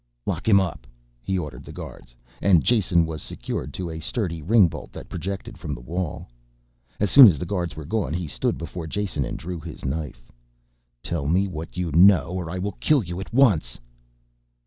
"Lock him up," he ordered the guards, and Jason was secured to a sturdy ringbolt that projected from the wall. As soon as the guards were gone he stood before Jason and drew his knife. "Tell me what you know or I will kill you at once."